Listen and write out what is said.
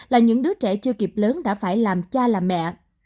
là những đứa trẻ chưa kịp lớn đã phải làm cha làm mẹ